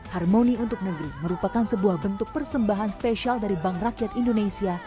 harmoni untuk negeri merupakan sebuah bentuk persembahan spesial dari bank rakyat indonesia